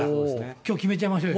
きょう決めちゃいましょうよ。